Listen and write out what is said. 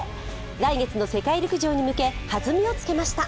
来月の世界陸上に向け弾みをつけました。